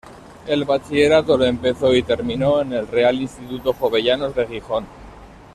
El bachillerato lo empezó y terminó en el Real Instituto Jovellanos de Gijón.